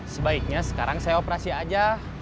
sebaiknya sekarang saya operasi aja